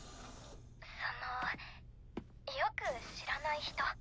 そのよく知らない人。